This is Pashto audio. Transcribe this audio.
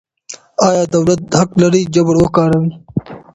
آیا دولت حق لري جبر وکاروي؟